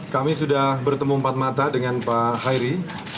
kami sudah bertemu empat mata dengan pak hairi